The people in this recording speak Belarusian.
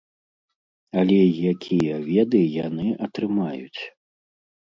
Але якія веды яны атрымаюць?